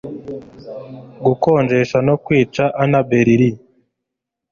gukonjesha no kwica annabel lee